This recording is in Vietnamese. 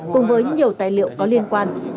cùng với nhiều tài liệu có liên quan